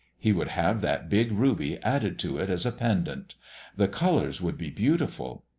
He would have that big ruby added to it as a pendant; the colors would be beautiful.